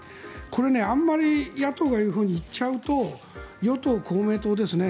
これ、あまり野党が言うふうにいっちゃうと与党・公明党ですね